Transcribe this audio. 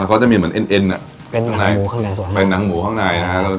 มันก็จะมีเหมือนเอ็นเป็นหนังหมูข้างในเป็นหนังหมูข้างในนะครับ